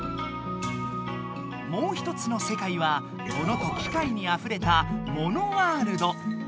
もう一つの世界はモノと機械にあふれた「モノワールド」。